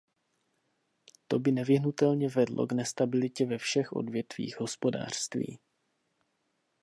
To by nevyhnutelně vedlo k nestabilitě ve všech odvětvích hospodářství.